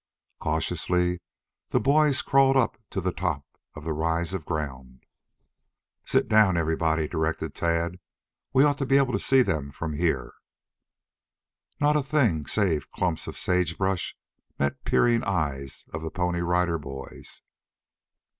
Cautiously the boys crawled up to the top of the rise of ground. "Sit down, everybody," directed Tad. "We ought to be able to see them from here." Not a thing save clumps of sage brush met peering eyes of the Pony Rider Boys.